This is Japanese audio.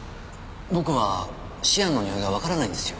僕はシアンのにおいがわからないんですよ。